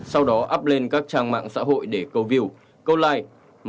sau đó up lên các trang mạng xã hội để câu view câu like